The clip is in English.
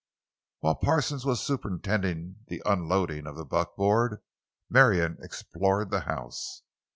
While Parsons was superintending the unloading of the buckboard, Marion explored the house.